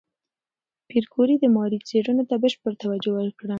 پېیر کوري د ماري څېړنو ته بشپړ توجه ورکړه.